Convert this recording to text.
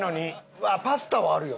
うわっパスタはあるよ。